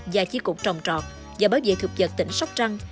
và chiếc cục trồng trọt và bảo vệ thực vật tỉnh sóc trăng